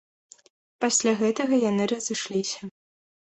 Пасля гэтага яны разышліся.